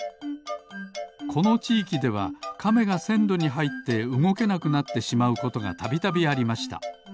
このちいきではカメがせんろにはいってうごけなくなってしまうことがたびたびありました。